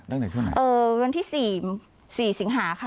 วันที่๔สิงหาค่ะ